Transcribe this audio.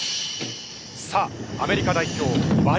さあアメリカ代表ワリ・